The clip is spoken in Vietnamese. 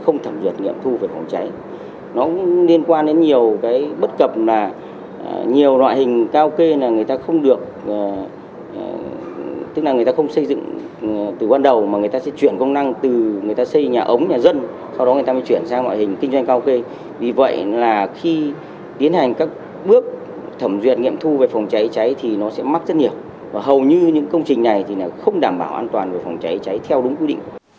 nhiệm thu về phòng cháy chữa cháy thì nó sẽ mắc rất nhiều và hầu như những công trình này thì không đảm bảo an toàn về phòng cháy chữa cháy theo đúng quy định